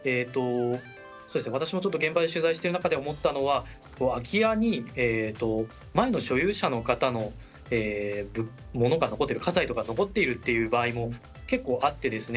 私も現場で取材している中で思ったのは空き家に前の所有者の方の物が残っている家財とかが残っているっていう場合も結構あってですね。